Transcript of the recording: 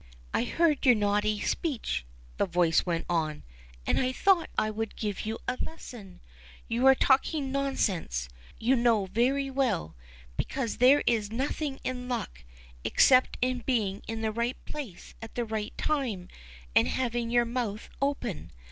" I heard your naughty speech," the voice went on, "and I thought I would give you a lesson. You were talking nonsense, you know very well ; because there is nothing in luck, except in beings in the right place at the right time, and having your, mouth open.